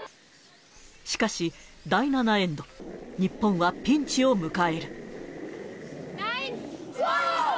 しかし、第７エンド、日本はピンチを迎える。